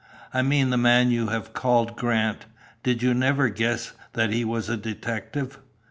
"I mean the man you have called Grant. Did you never guess that he was a detective?"